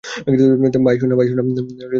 By, সোনা।